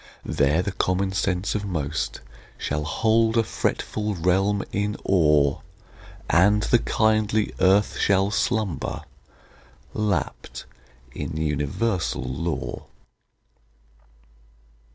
There the common sense of most shall hold a fretful realm in awe, And the kindly earth shall slumber, lapt in universal law.